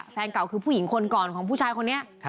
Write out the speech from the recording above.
แฟนเก่าคือผู้หญิงคนก่อนผู้ชายเหมือนเงียน